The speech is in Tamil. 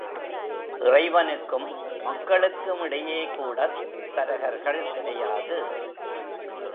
இறைவனுக்கும் மக்களுக்கும் இடையே கூடத் தரகர்கள் கிடையாது.